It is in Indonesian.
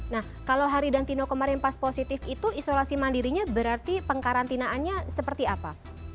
nah kalau hari dan tino kemarin pas positif itu isolasi mandirinya berarti pengkarantinaannya seperti apa